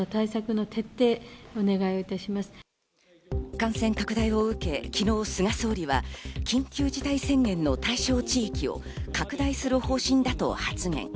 感染拡大を受け昨日、菅総理は緊急事態宣言の対象地域を拡大する方針だと発言。